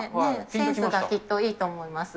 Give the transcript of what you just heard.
センスがきっといいと思います。